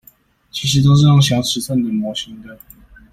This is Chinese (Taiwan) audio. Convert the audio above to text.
其實都是用小尺寸的模型的